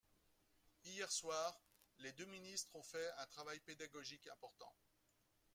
Hier soir, les deux ministres ont fait un travail pédagogique important.